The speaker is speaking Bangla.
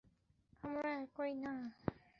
আমরা একই না।